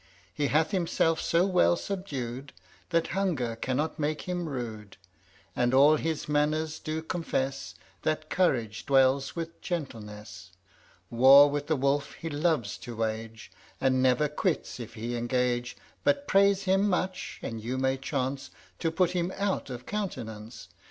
He hath himself so well subdued, That hunger cannot make him rude; And all his manners do confess That courage dwells with gentleness. War with the wolf he loves to wage, And never quits if he engage; But praise him much, and you may chance To put him out of countenance.